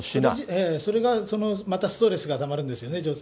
ええ、それがまたストレスがたまるんですよね。